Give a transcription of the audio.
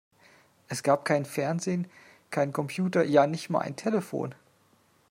Es gab kein Fernsehen, keinen Computer, ja, nicht mal ein Telefon!